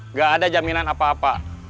nggak ada jaminan apa apa